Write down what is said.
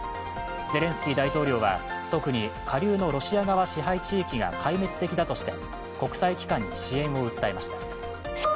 ゼレンスキー大統領は特に下流のロシア側支配地域が壊滅的だとして国際機関に支援を訴えました。